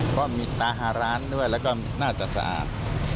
เพราะมีตาฮาร้านด้วยแล้วก็น่าจะสะอาด